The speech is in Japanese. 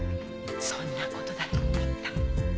そんな事だと思った。